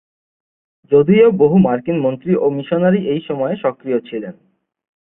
যদিও বহু মার্কিন মন্ত্রী ও মিশনারি এই সময়ে সক্রিয় ছিলেন।